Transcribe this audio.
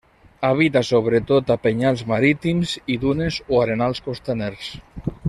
Habita sobretot a penyals marítims i dunes o arenals costaners.